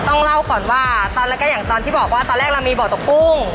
ต้องเล่าก่อนว่าตอนแรกก็อย่างตอนที่บอกว่าตอนแรกเรามีบ่อตกกุ้ง